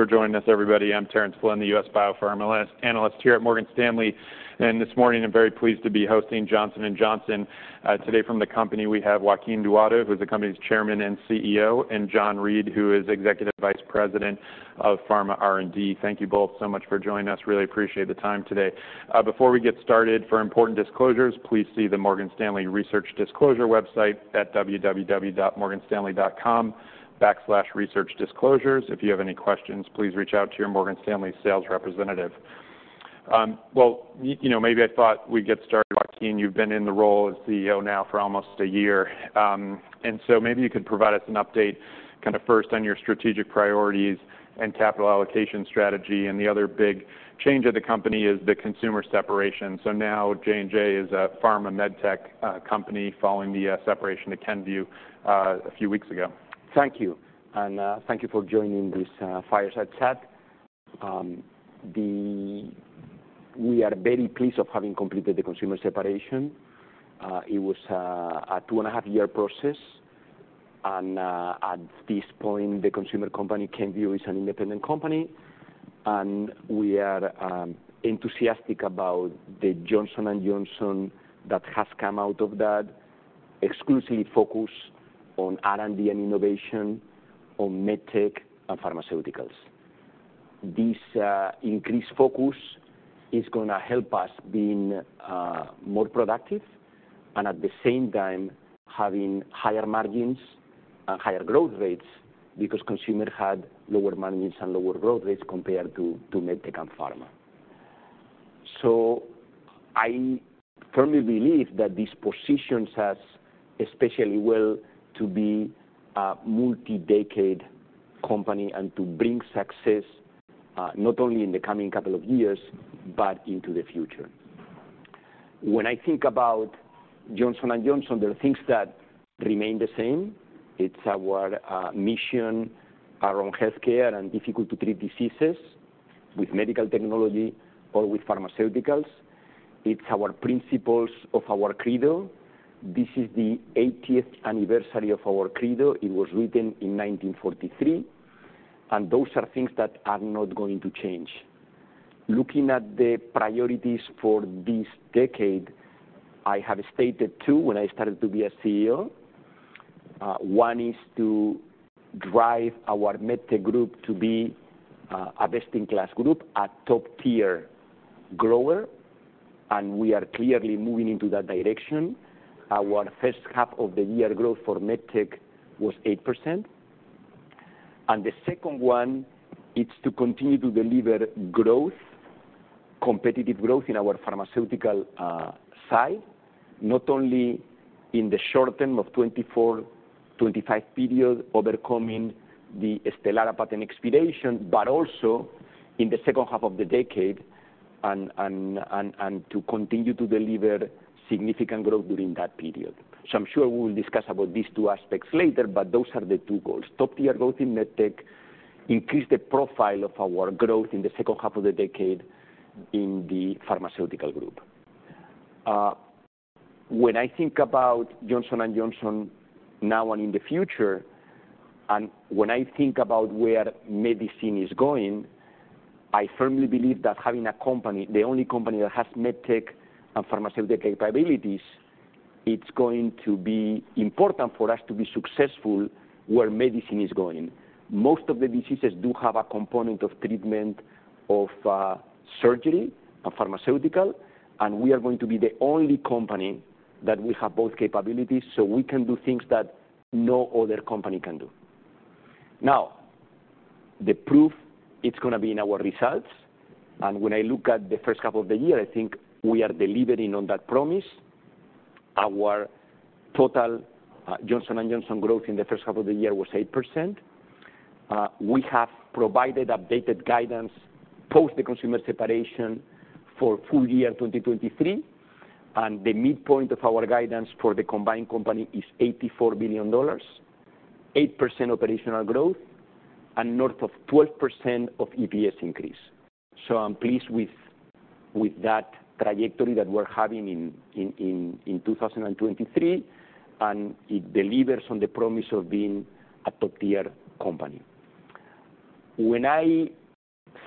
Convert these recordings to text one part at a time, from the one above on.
Thanks for joining us, everybody. I'm Terence Flynn, the U.S. Biopharma Analyst, Analyst here at Morgan Stanley. This morning, I'm very pleased to be hosting Johnson & Johnson. Today from the company, we have Joaquin Duato, who's the company's Chairman and CEO, and John Reed, who is Executive Vice President of Pharma R&D. Thank you both so much for joining us. Really appreciate the time today. Before we get started, for important disclosures, please see the Morgan Stanley Research Disclosure website at www.morganstanley.com/researchdisclosures. If you have any questions, please reach out to your Morgan Stanley sales representative. Well, you know, maybe I thought we'd get started. Joaquin, you've been in the role as CEO now for almost a year. And so maybe you could provide us an update, kind of first on your strategic priorities and capital allocation strategy. The other big change of the company is the consumer separation. Now J&J is a pharma MedTech company, following the separation to Kenvue, a few weeks ago. Thank you, and thank you for joining this fireside chat. We are very pleased of having completed the consumer separation. It was a 2 and half year process, and at this point, the consumer company, Kenvue, is an independent company, and we are enthusiastic about the Johnson & Johnson that has come out of that, exclusively focused on R&D and innovation, on MedTech and pharmaceuticals. This increased focus is gonna help us being more productive, and at the same time, having higher margins and higher growth rates, because consumer had lower margins and lower growth rates compared to MedTech and pharma. So I firmly believe that this positions us especially well to be a multi-decade company and to bring success, not only in the coming couple of years, but into the future. When I think about Johnson & Johnson, there are things that remain the same. It's our mission around healthcare and difficult-to-treat diseases with medical technology or with pharmaceuticals. It's our principles of our Credo. This is the 80th anniversary of our Credo. It was written in 1943, and those are things that are not going to change. Looking at the priorities for this decade, I have stated two when I started to be a CEO. One is to drive our MedTech group to be a best-in-class group, a top-tier grower, and we are clearly moving into that direction. Our H1 of the year growth for MedTech was 8%. The second one is to continue to deliver growth, competitive growth, in our pharmaceutical side. Not only in the short term of 2024, 2025 period, overcoming the STELARA patent expiration, but also in the H2 of the decade, and to continue to deliver significant growth during that period. So I'm sure we will discuss about these two aspects later, but those are the two goals. Top-tier growth in MedTech, increase the profile of our growth in the H2 of the decade in the pharmaceutical group. When I think about Johnson & Johnson now and in the future, and when I think about where medicine is going, I firmly believe that having a company, the only company that has MedTech and pharmaceutical capabilities, it's going to be important for us to be successful where medicine is going. Most of the diseases do have a component of treatment, of, surgery or pharmaceutical, and we are going to be the only company that will have both capabilities, so we can do things that no other company can do. Now, the proof, it's gonna be in our results, and when I look at the H1 of the year, I think we are delivering on that promise. Our total, Johnson & Johnson growth in the H1 of the year was 8%. We have provided updated guidance, post the consumer separation, for full year 2023, and the midpoint of our guidance for the combined company is $84 billion, 8% operational growth, and north of 12% of EPS increase. So I'm pleased with that trajectory that we're having in 2023, and it delivers on the promise of being a top-tier company. When I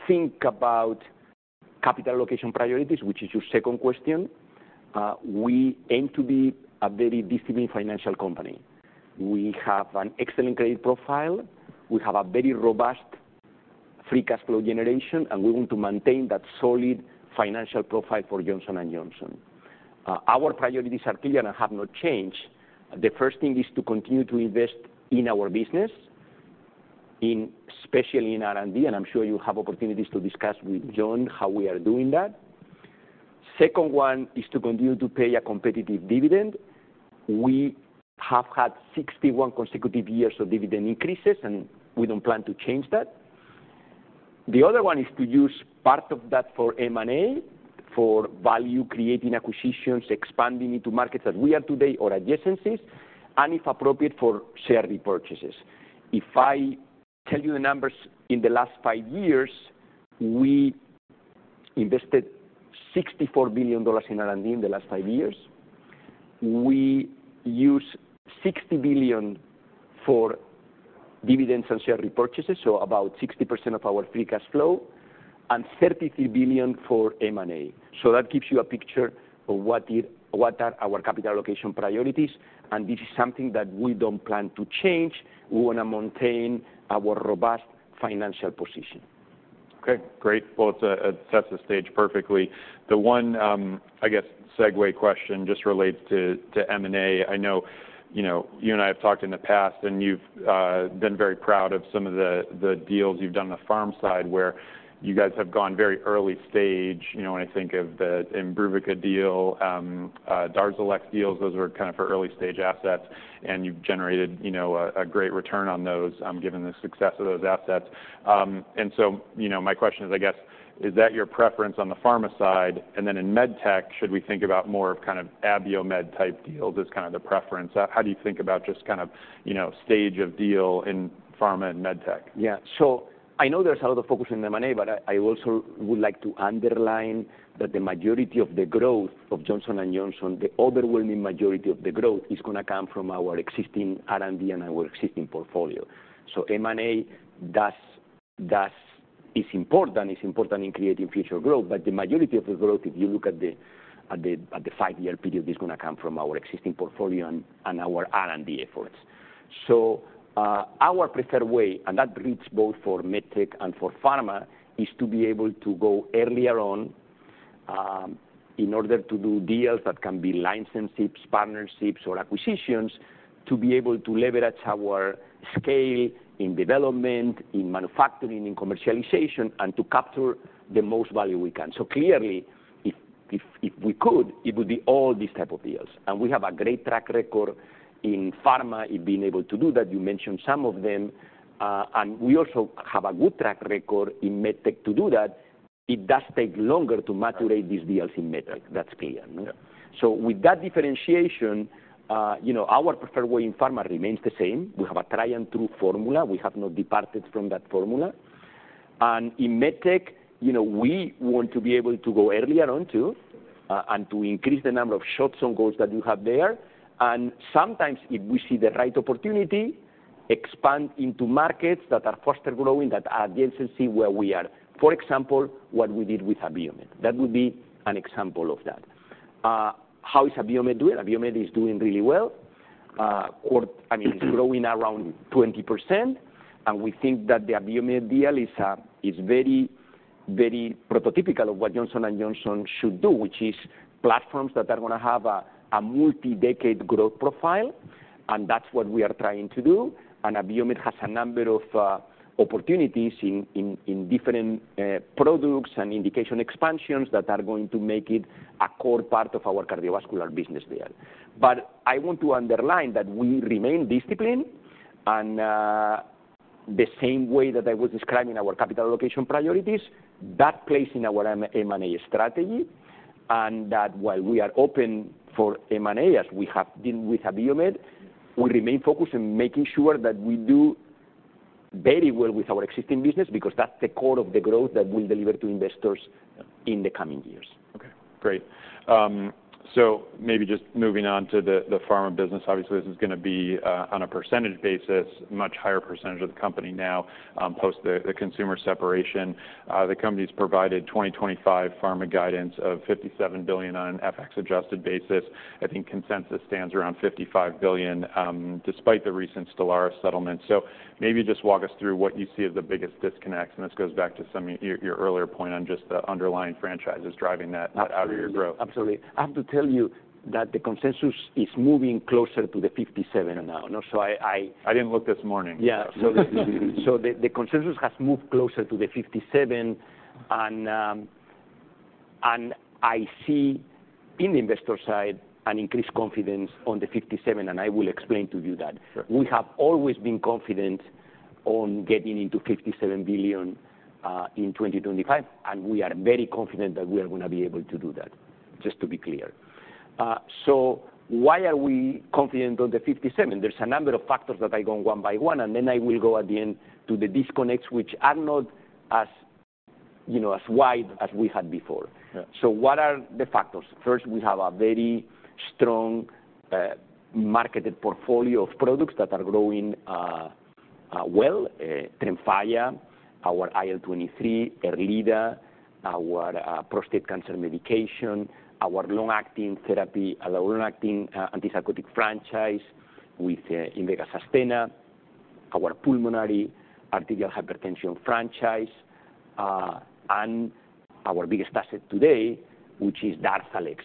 think about capital allocation priorities, which is your second question, we aim to be a very disciplined financial company. We have an excellent credit profile. We have a very robust free cash flow generation, and we want to maintain that solid financial profile for Johnson & Johnson. Our priorities are clear and have not changed. The first thing is to continue to invest in our business, especially in R&D, and I'm sure you have opportunities to discuss with John how we are doing that. Second one is to continue to pay a competitive dividend. We have had 61 consecutive years of dividend increases, and we don't plan to change that. The other one is to use part of that for M&A, for value-creating acquisitions, expanding into markets that we are today or adjacencies, and if appropriate, for share repurchases. If I tell you the numbers, in the last five years, we invested $64 billion in R&D in the last five years. We used $60 billion for dividends and share repurchases, so about 60% of our free cash flow, and $33 billion for M&A. So that gives you a picture of what our capital allocation priorities are, and this is something that we don't plan to change. We want to maintain our robust financial position. Okay, great. Well, to set the stage perfectly, the one, I guess, segue question just relates to M&A. I know, you know, you and I have talked in the past, and you've been very proud of some of the deals you've done on the pharma side, where you guys have gone very early stage. You know, when I think of the IMBRUVICA deal, DARZALEX deals, those were kind of very early-stage assets, and you've generated, you know, a great return on those, given the success of those assets. And so, you know, my question is, I guess, is that your preference on the pharma side? And then in MedTech, should we think about more of kind of Abiomed-type deals as kind of the preference? How do you think about just kind of, you know, stage of deal in pharma and MedTech? Yeah. So I know there's a lot of focus in M&A, but I, I also would like to underline that the majority of the growth of Johnson & Johnson, the overwhelming majority of the growth, is gonna come from our existing R&D and our existing portfolio. So M&A does is important. It's important in creating future growth, but the majority of the growth, if you look at the five-year period, is gonna come from our existing portfolio and our R&D efforts. So, our preferred way, and that reads both for MedTech and for pharma, is to be able to go earlier on in order to do deals that can be licenses, partnerships, or acquisitions, to be able to leverage our scale in development, in manufacturing, in commercialization, and to capture the most value we can. So clearly, if we could, it would be all these type of deals, and we have a great track record in pharma in being able to do that. You mentioned some of them. And we also have a good track record in MedTech to do that. It does take longer to mature these deals in MedTech, that's clear. Yeah. So with that differentiation, you know, our preferred way in pharma remains the same. We have a tried-and-true formula. We have not departed from that formula. And in MedTech, you know, we want to be able to go earlier on, too, and to increase the number of shots on goals that you have there. And sometimes, if we see the right opportunity, expand into markets that are faster growing, that are adjacent where we are. For example, what we did with Abiomed. That would be an example of that. How is Abiomed doing? Abiomed is doing really well. I mean, it's growing around 20%, and we think that the Abiomed deal is very, very prototypical of what Johnson & Johnson should do, which is platforms that are gonna have a multi-decade growth profile, and that's what we are trying to do. And Abiomed has a number of opportunities in different products and indication expansions that are going to make it a core part of our cardiovascular business there. But I want to underline that we remain disciplined, and the same way that I was describing our capital allocation priorities, that plays in our M&A strategy. And that while we are open for M&A, as we have been with Abiomed, we remain focused in making sure that we do very well with our existing business, because that's the core of the growth that we'll deliver to investors in the coming years. Okay, great. So maybe just moving on to the pharma business. Obviously, this is gonna be on a percentage basis, much higher percentage of the company now, post the consumer separation. The company's provided 2025 pharma guidance of $57 billion on an FX adjusted basis. I think consensus stands around $55 billion, despite the recent STELARA settlement. So maybe just walk us through what you see as the biggest disconnects, and this goes back to some of your earlier point on just the underlying franchises driving that- Absolutely out of your growth. Absolutely. I have to tell you that the consensus is moving closer to the$57 billion now. So I I didn't look this morning. Yeah, so the consensus has moved closer to the $57 billion, and I see in the investor side an increased confidence on the $57 billion, and I will explain to you that. Sure. We have always been confident on getting into $57 billion in 2025, and we are very confident that we are gonna be able to do that, just to be clear. So why are we confident on the $57 billion? There's a number of factors that I go one by one, and then I will go at the end to the disconnects, which are not as, you know, as wide as we had before. Yeah. So what are the factors? First, we have a very strong, marketed portfolio of products that are growing well. TREMFYA, our IL-23, ERLEADA, our prostate cancer medication, our long-acting therapy, our long-acting antipsychotic franchise with INVEGA SUSTENNA, our pulmonary arterial hypertension franchise, and our biggest asset today, which is DARZALEX,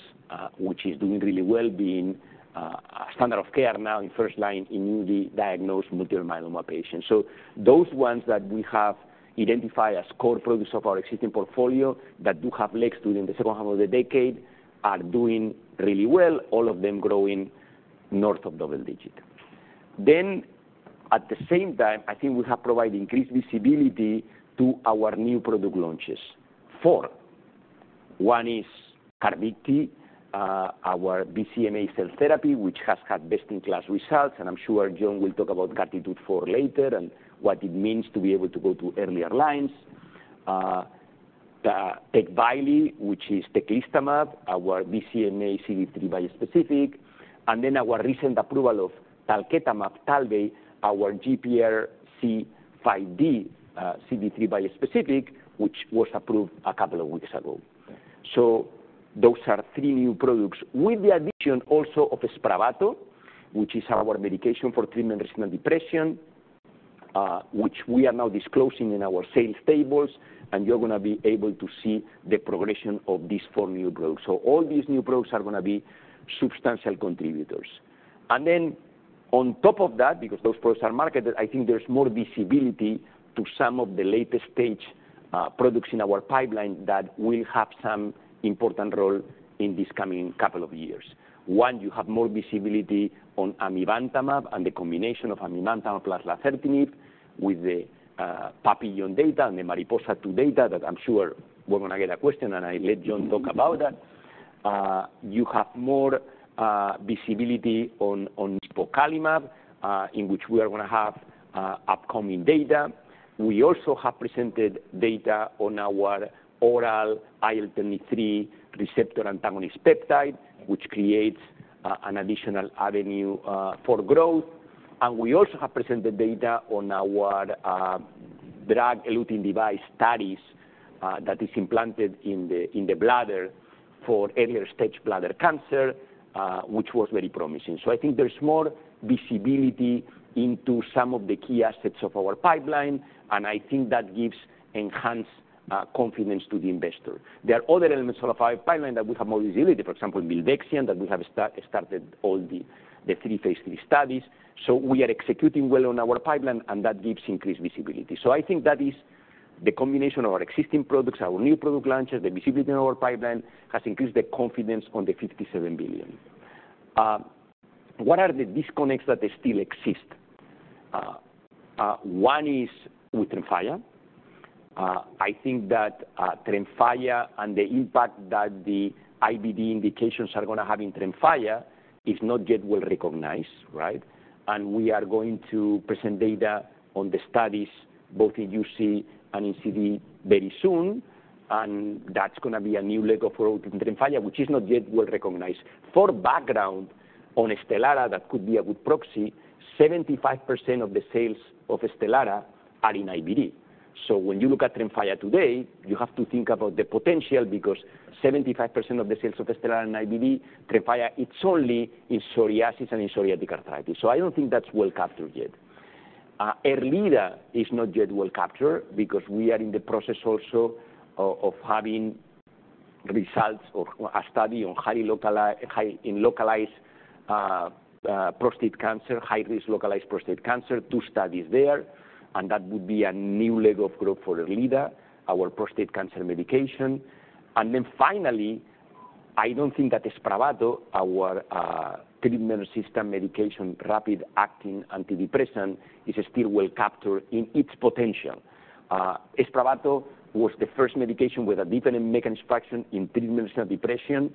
which is doing really well, being a standard of care now in first line in newly diagnosed multiple myeloma patients. So those ones that we have identified as core products of our existing portfolio that do have legs during the H2 of the decade, are doing really well, all of them growing north of double digit. Then, at the same time, I think we have provided increased visibility to our new product launches. Four. One is CARVYKTI, our BCMA cell therapy, which has had best-in-class results, and I'm sure John will talk about CARTITUDE-4 later and what it means to be able to go to earlier lines. The TECVAYLI, which is teclistamab, our BCMA CD3 bispecific, and then our recent approval of talquetamab, TALVEY, our GPRC5D, CD3 bispecific, which was approved a couple of weeks ago. So those are three new products, with the addition also of SPRAVATO, which is our medication for treatment of seasonal depression, which we are now disclosing in our sales tables, and you're gonna be able to see the progression of these four new products. So all these new products are gonna be substantial contributors. Then on top of that, because those products are marketed, I think there's more visibility to some of the latest stage products in our pipeline that will have some important role in these coming couple of years. One, you have more visibility on amivantamab and the combination of amivantamab plus lazertinib, with the PAPILLON data and the MARIPOSA-2, that I'm sure we're gonna get a question, and I'll let John talk about that. You have more visibility on nipocalimab, in which we are gonna have upcoming data. We also have presented data on our oral IL-23 receptor antagonist peptide, which creates an additional avenue for growth. And we also have presented data on our drug-eluting device studies that is implanted in the bladder for earlier stage bladder cancer, which was very promising. So I think there's more visibility into some of the key assets of our pipeline, and I think that gives enhanced confidence to the investor. There are other elements of our pipeline that we have more visibility, for example, milvexian, that we have started all the three phase 3 studies. So we are executing well on our pipeline, and that gives increased visibility. So I think that is the combination of our existing products, our new product launches, the visibility in our pipeline, has increased the confidence on the $57 billion. What are the disconnects that they still exist? One is with TREMFYA. I think that TREMFYA and the impact that the IBD indications are gonna have in TREMFYA is not yet well recognized, right? We are going to present data on the studies, both in UC and in CD, very soon, and that's gonna be a new leg of growth in TREMFYA, which is not yet well recognized. For background, on STELARA, that could be a good proxy, 75% of the sales of STELARA are in IBD. So when you look at TREMFYA today, you have to think about the potential, because 75% of the sales of STELARA in IBD, TREMFYA, it's only in psoriasis and in psoriatic arthritis, so I don't think that's well captured yet. ERLEADA is not yet well captured because we are in the process also of having results of a study on high-risk localized prostate cancer. Two studies there, and that would be a new leg of growth for ERLEADA, our prostate cancer medication. Finally, I don't think that SPRAVATO, our treatment-resistant medication, rapid-acting antidepressant, is still well captured in its potential. SPRAVATO was the first medication with a different mechanism of action in treatment of depression.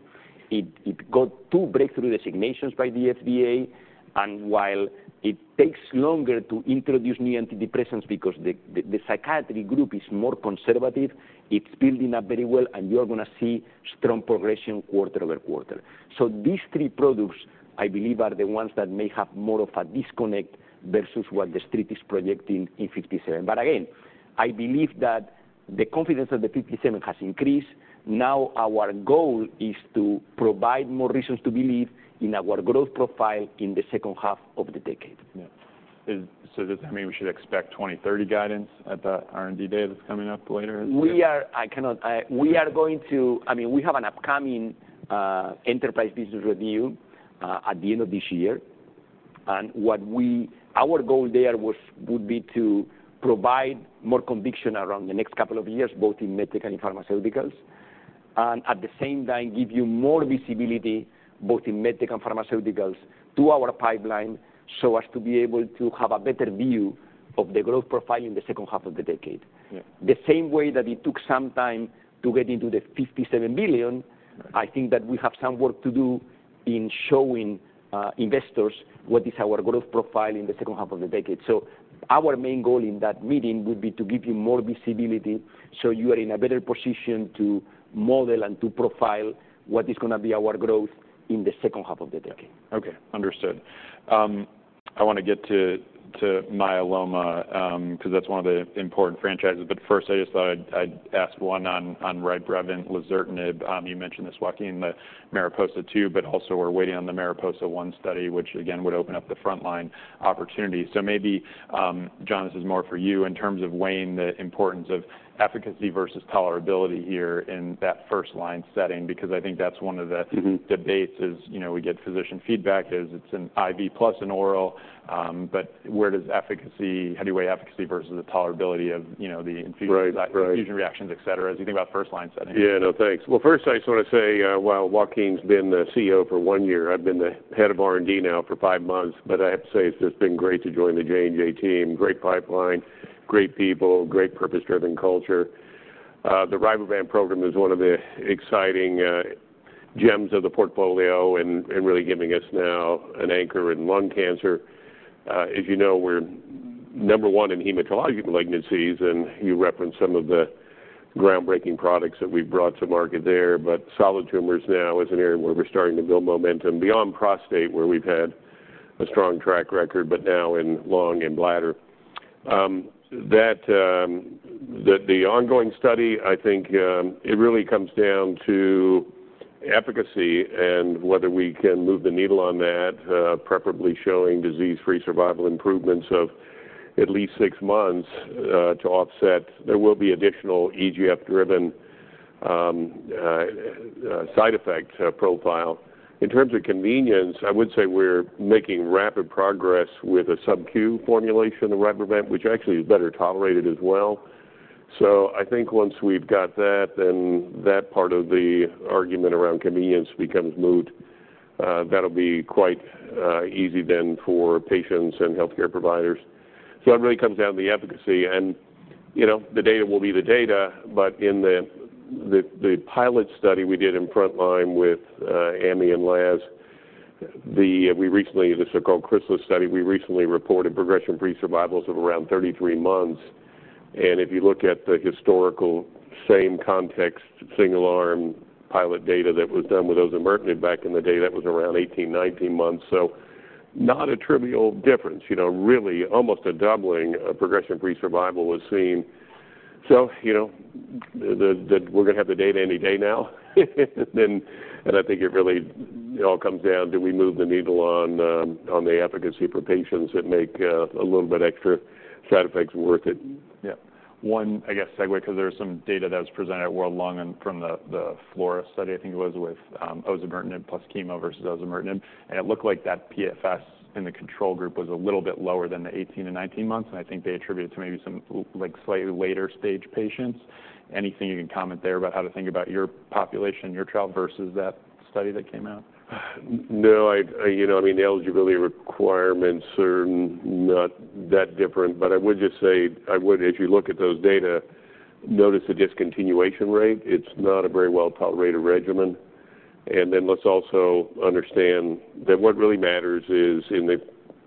It got two breakthrough designations by the FDA, and while it takes longer to introduce new antidepressants because the psychiatry group is more conservative, it's building up very well, and you're gonna see strong progression quarter-over-quarter. So these three products, I believe, are the ones that may have more of a disconnect versus what the street is projecting in $57 billion. But again, I believe that the confidence of the $57 billion has increased. Now our goal is to provide more reasons to believe in our growth profile in the H2 of the decade. Yeah. So does that mean we should expect 20-30 guidance at the R&D day that's coming up later this year? We are going to—I mean, we have an upcoming enterprise business review at the end of this year. Our goal there would be to provide more conviction around the next couple of years, both in medical and pharmaceuticals. At the same time, give you more visibility, both in medical and pharmaceuticals, to our pipeline, so as to be able to have a better view of the growth profile in the H2 of the decade. Yeah. The same way that it took some time to get into the $57 billion, I think that we have some work to do in showing investors what is our growth profile in the H2 of the decade. So our main goal in that meeting would be to give you more visibility, so you are in a better position to model and to profile what is gonna be our growth in the H2 of the decade. Okay, understood. I wanna get to myeloma, 'cause that's one of the important franchises. But first, I just thought I'd ask one on RYBREVANT, lazertinib. You mentioned this, Joaquin, the MARIPOSA-2, but also we're waiting on the MARIPOSA-1 study, which again, would open up the frontline opportunity. So maybe, John, this is more for you in terms of weighing the importance of efficacy versus tolerability here in that first line setting, because I think that's one of the debates is, you know, we get physician feedback is it's an IV plus an oral, but where does efficacy, heavyweight efficacy versus the tolerability of, you know, the infusion- Right. Right. Infusion reactions, et cetera, as you think about first line setting? Yeah. No, thanks. Well, first, I just wanna say, while Joaquin's been the CEO for one year, I've been the head of R&D now for five months, but I have to say it's just been great to join the J&J team. Great pipeline, great people, great purpose-driven culture. The RYBREVANT program is one of the exciting gems of the portfolio and really giving us now an anchor in lung cancer. As you know, we're number one in hematologic malignancies, and you referenced some of the groundbreaking products that we've brought to market there. But solid tumors now is an area where we're starting to build momentum beyond prostate, where we've had a strong track record, but now in lung and bladder. That ongoing study, I think it really comes down to efficacy and whether we can move the needle on that, preferably showing disease-free survival improvements of at least six months to offset. There will be additional EGF-driven side effect profile. In terms of convenience, I would say we're making rapid progress with a sub-Q formulation of RYBREVANT, which actually is better tolerated as well. So I think once we've got that, then that part of the argument around convenience becomes moot. That'll be quite easy then for patients and healthcare providers. So it really comes down to the efficacy, and you know, the data will be the data, but in the pilot study we did in Frontline with Ammi and Laz, we recently, the so-called CHRYSALIS study, we recently reported progression-free survivals of around 33 months. If you look at the historical same context, single-arm pilot data that was done with osimertinib back in the day, that was around 18-19 months. So not a trivial difference, you know, really almost a doubling of progression-free survival was seen. So, you know, we're gonna have the data any day now. I think it really all comes down to, do we move the needle on the efficacy for patients that make a little bit extra side effects worth it? Yeah. One, I guess, segue, because there was some data that was presented at World Lung and from the, the FLAURA study, I think it was with osimertinib plus chemo versus osimertinib. And it looked like that PFS in the control group was a little bit lower than the 18 and 19 months, and I think they attributed it to maybe some like, slightly later stage patients. Anything you can comment there about how to think about your population, your trial versus that study that came out? No, you know, I mean, the eligibility requirements are not that different. But I would just say, if you look at those data, notice the discontinuation rate. It's not a very well-tolerated regimen. And then let's also understand that what really matters is in the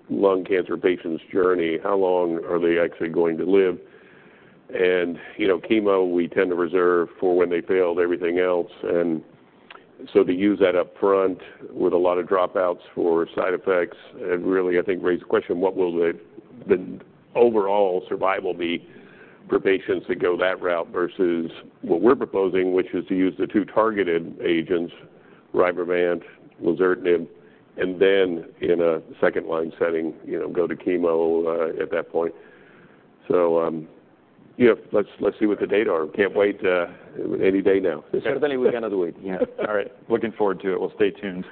lung cancer patient's journey, how long are they actually going to live? And, you know, chemo, we tend to reserve for when they failed everything else, and so to use that up front with a lot of dropouts for side effects, it really, I think, raises the question, what will the overall survival be for patients that go that route versus what we're proposing, which is to use the two targeted agents, RYBREVANT, lazertinib, and then in a second-line setting, you know, go to chemo at that point. So, yeah, let's see what the data are. Can't wait, any day now. Certainly, within another week. Yeah. All right. Looking forward to it. We'll stay tuned.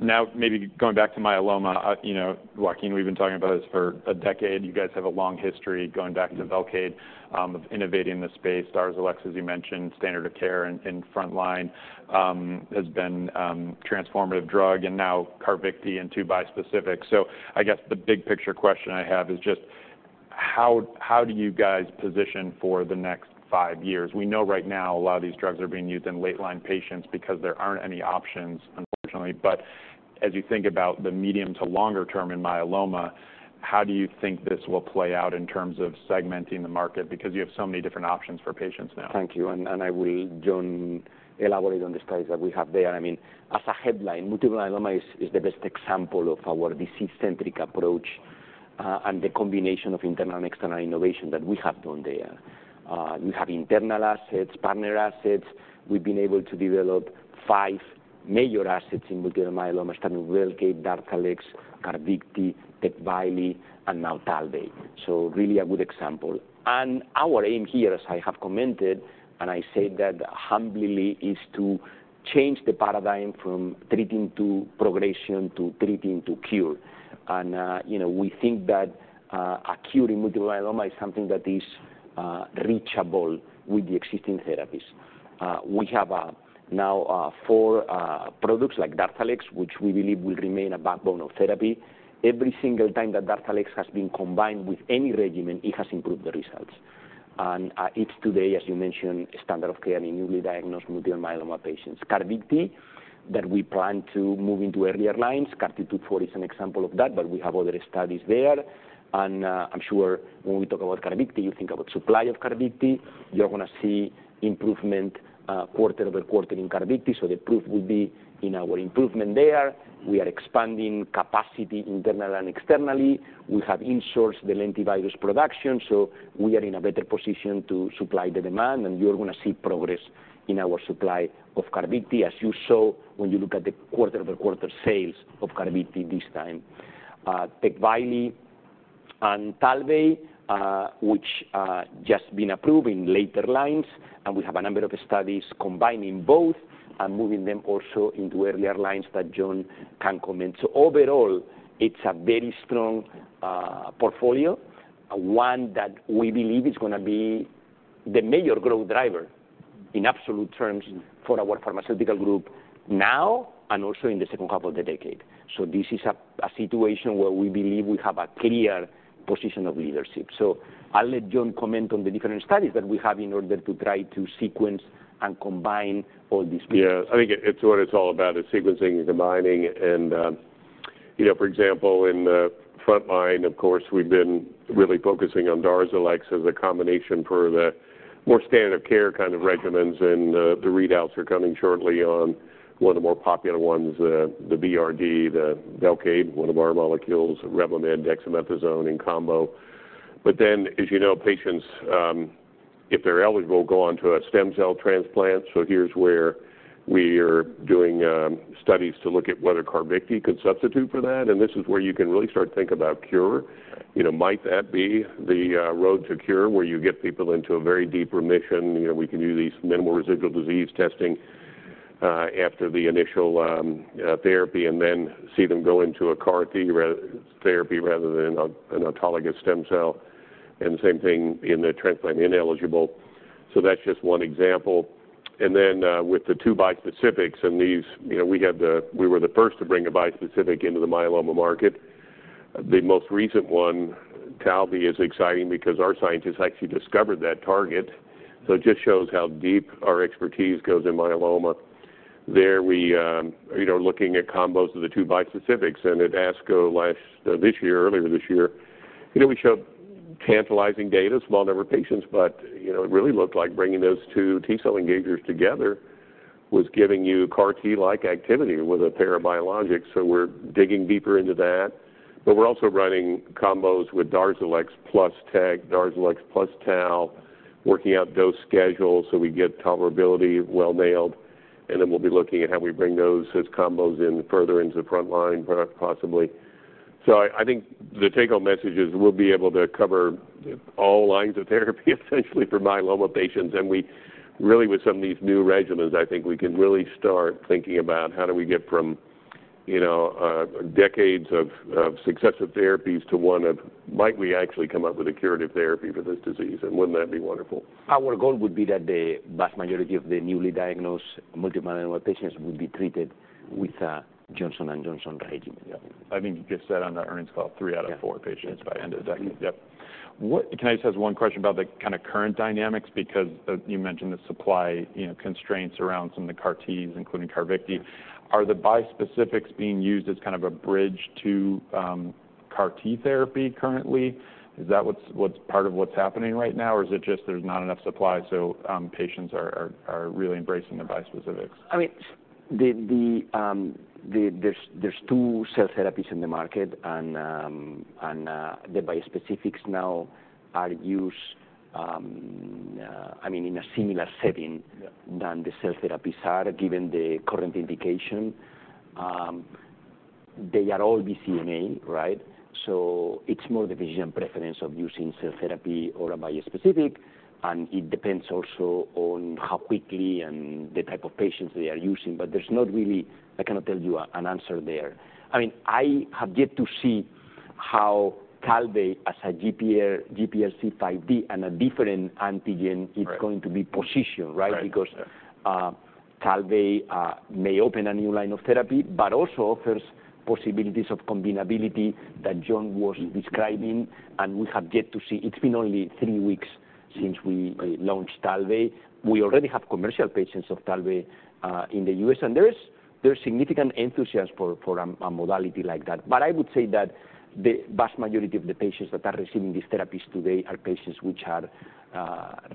Now, maybe going back to myeloma, you know, Joaquin, we've been talking about this for a decade. You guys have a long history going back to VELCADE, of innovating the space. DARZALEX, as you mentioned, standard of care in front line, has been transformative drug and now CARVYKTI and two bispecific. So I guess the big picture question I have is just how, how do you guys position for the next five years? We know right now a lot of these drugs are being used in late-line patients because there aren't any options, unfortunately. But as you think about the medium to longer term in myeloma, how do you think this will play out in terms of segmenting the market? Because you have so many different options for patients now. Thank you. And I will, John, elaborate on the studies that we have there. I mean, as a headline, multiple myeloma is the best example of our disease-centric approach, and the combination of internal and external innovation that we have done there. We have internal assets, partner assets. We've been able to develop five major assets in multiple myeloma, starting VELCADE, DARZALEX, CARVYKTI, TECVAYLI, and now TALVEY. So really a good example. And our aim here, as I have commented, and I say that humbly, is to change the paradigm from treating to progression, to treating to cure. And you know, we think that a cure in multiple myeloma is something that is reachable with the existing therapies. We have now four products like DARZALEX, which we believe will remain a backbone of therapy. Every single time that DARZALEX has been combined with any regimen, it has improved the results. And, it's today, as you mentioned, a standard of care in newly diagnosed multiple myeloma patients. CARVYKTI, that we plan to move into earlier lines. CARTITUDE-4 is an example of that, but we have other studies there. And, I'm sure when we talk about CARVYKTI, you think about supply of CARVYKTI. You're gonna see improvement, quarter-over-quarter in CARVYKTI, so the proof will be in our improvement there. We are expanding capacity internal and externally. We have in-sourced the lentivirus production, so we are in a better position to supply the demand, and you're gonna see progress in our supply of CARVYKTI, as you saw when you look at the quarter-over-quarter sales of CARVYKTI this time. TECVAYLI and TALVEY, which just been approved in later lines, and we have a number of studies combining both and moving them also into earlier lines that John can comment. So overall, it's a very strong portfolio, one that we believe is gonna be the major growth driver in absolute terms for our pharmaceutical group now, and also in the H2 of the decade. So this is a situation where we believe we have a clear position of leadership. So I'll let John comment on the different studies that we have in order to try to sequence and combine all these pieces. Yeah, I think it, it's what it's all about, is sequencing and combining. And, you know, for example, in the frontline, of course, we've been really focusing on DARZALEX as a combination for the more standard of care kind of regimens, and the readouts are coming shortly on one of the more popular ones, the VRd, the VELCADE, one of our molecules, Revlimid, dexamethasone in combo. But then, as you know, patients, if they're eligible, go on to a stem cell transplant, so here's where we are doing studies to look at whether CARVYKTI could substitute for that, and this is where you can really start to think about cure. You know, might that be the road to cure, where you get people into a very deep remission? You know, we can do these minimal residual disease testing after the initial therapy, and then see them go into a CAR-T therapy rather than an autologous stem cell, and the same thing in the transplant ineligible. So that's just one example. And then, with the two bispecifics, and you know, we were the first to bring a bispecific into the myeloma market. The most recent one, TALVEY, is exciting because our scientists actually discovered that target, so it just shows how deep our expertise goes in myeloma. There we. You know, looking at combos of the two bispecifics, and at ASCO last this year, earlier this year, you know, we showed tantalizing data, small number of patients, but, you know, it really looked like bringing those two T-cell engagers together was giving you CAR-T-like activity with a pair of biologics. So we're digging deeper into that, but we're also running combos with DARZALEX plus Tec, DARZALEX plus Tal, working out dose schedules so we get tolerability well-nailed, and then we'll be looking at how we bring those as combos in further into the frontline product, possibly. So I think the take-home message is we'll be able to cover all lines of therapy essentially for myeloma patients, and we really, with some of these new regimens, I think we can really start thinking about how do we get from, you know, decades of successive therapies to one of, might we actually come up with a curative therapy for this disease, and wouldn't that be wonderful? Our goal would be that the vast majority of the newly diagnosed multiple myeloma patients would be treated with a Johnson & Johnson regimen. Yeah. I think you just said on the earnings call, three out of four- Yeah Patients by end of decade. What can I just ask one question about the kind of current dynamics? Because you mentioned the supply, you know, constraints around some of the CAR-Ts, including CARVYKTI. Are the bispecifics being used as kind of a bridge to CAR-T therapy currently? Is that what's part of what's happening right now, or is it just there's not enough supply, so patients are really embracing the bispecifics? I mean, there's two cell therapies in the market, and the bispecifics now are used, I mean, in a similar setting- Yeah Than the cell therapies are, given the current indication. They are all BCMA, right? So it's more the vision and preference of using cell therapy or a bispecific, and it depends also on how quickly and the type of patients they are using. But there's not really, I cannot tell you an answer there. I mean, I have yet to see how TALVEY, as a GPRC5D and a different antigen is going to be positioned, right? Right. Because TALVEY may open a new line of therapy but also offers possibilities of combinability that John was describing, and we have yet to see. It's been only three weeks since we launched TALVEY. We already have commercial patients of TALVEY in the U.S., and there's significant enthusiasm for a modality like that. But I would say that the vast majority of the patients that are receiving these therapies today are patients which had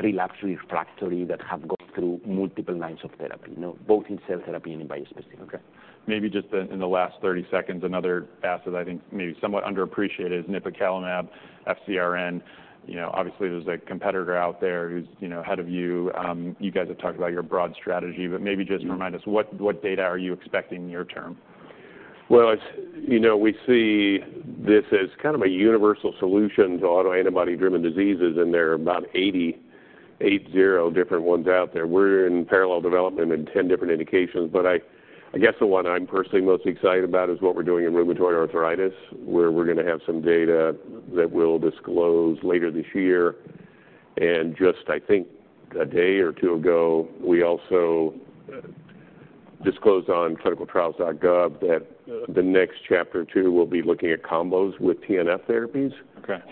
relapsed/refractory, that have gone through multiple lines of therapy, you know, both in cell therapy and in bispecific. Okay. Maybe just in the last 30 seconds, another asset I think may be somewhat underappreciated is nipocalimab FcRn. You know, obviously, there's a competitor out there who's, you know, ahead of you. You guys have talked about your broad strategy, but maybe just remind us, what data are you expecting near-term? Well, as you know, we see this as kind of a universal solution to autoantibody-driven diseases, and there are about 80 different ones out there. We're in parallel development in 10 different indications, but I guess the one I'm personally most excited about is what we're doing in rheumatoid arthritis, where we're gonna have some data that we'll disclose later this year. And just, I think, a day or two ago, we also disclosed on ClinicalTrials.gov that the next chapter two will be looking at combos with TNF therapies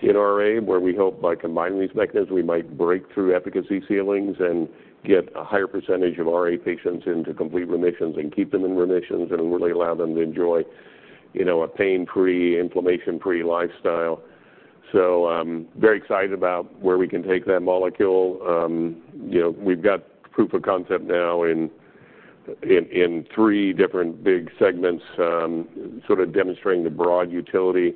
in RA, where we hope by combining these mechanisms, we might break through efficacy ceilings and get a higher percentage of RA patients into complete remissions and keep them in remissions and really allow them to enjoy, you know, a pain-free, inflammation-free lifestyle. So I'm very excited about where we can take that molecule. You know, we've got proof of concept now in three different big segments, sort of demonstrating the broad utility.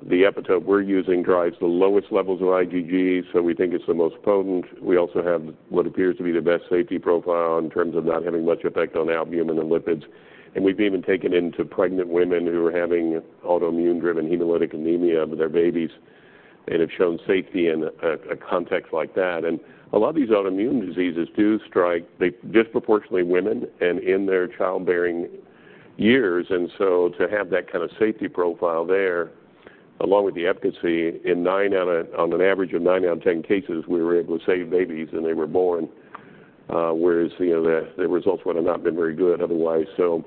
The epitope we're using drives the lowest levels of IgG, so we think it's the most potent. We also have what appears to be the best safety profile in terms of not having much effect on albumin and lipids, and we've even taken into pregnant women who are having autoimmune-driven hemolytic anemia with their babies and have shown safety in a context like that. And a lot of these autoimmune diseases do strike, they, disproportionately women and in their childbearing years, and so to have that kind of safety profile there, along with the efficacy, on an average of nine out of ten cases, we were able to save babies, and they were born, whereas, you know, the results would have not been very good otherwise. So,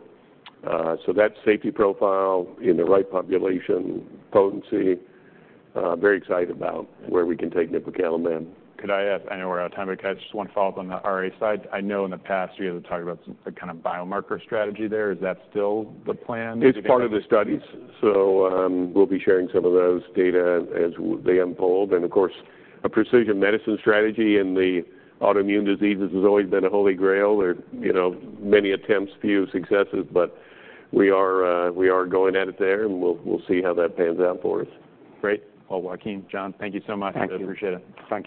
so that safety profile in the right population, potency, very excited about where we can take nipocalimab. Could I ask, I know we're out of time, but can I just one follow-up on the RA side? I know in the past you guys have talked about some, a kind of biomarker strategy there. Is that still the plan? It's part of the studies, so, we'll be sharing some of those data as they unfold. Of course, a precision medicine strategy in the autoimmune diseases has always been a holy grail. There, you know, many attempts, few successes, but we are, we are going at it there, and we'll see how that pans out for us. Great. Well, Joaquin, John, thank you so much. Thank you. I appreciate it. Thank you.